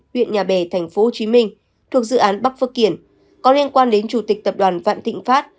huyện nhà bè tp hcm thuộc dự án bắc phước kiển có liên quan đến chủ tịch tập đoàn vạn thịnh pháp